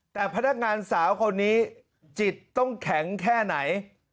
แต่พนักงานสาวคนนี้จิตต้องแข็งแค่ไหน